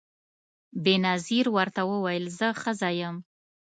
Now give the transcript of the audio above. بېنظیر ورته وویل زه ښځه یم